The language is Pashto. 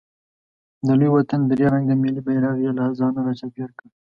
د لوی وطن درې رنګه ملي بیرغ یې له ځانه راچاپېر کړ.